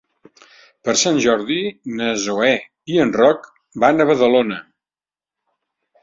Per Sant Jordi na Zoè i en Roc van a Badalona.